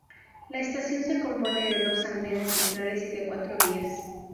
La estación se compone de dos andenes centrales y de cuatro vías.